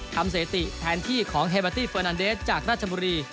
สถิติแทนที่ของเฮเบอร์ตี้เฟอร์นันเดสจากราชบุรี